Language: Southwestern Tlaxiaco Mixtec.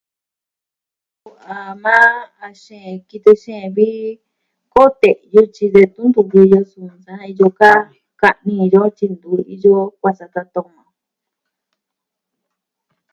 A maa a xeen, kitɨ xeen vi ,koo te'yu de tun ntuvi ji yo su naa iyo kaa, ka'ni jin yo tyi ntu vi ka iyo kuaa satatan on maa on.